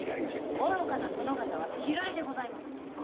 愚かな殿方は嫌いでございます。